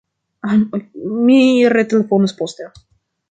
Mi retelefonos poste.